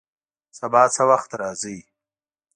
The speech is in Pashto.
سبا څه وخت راځئ؟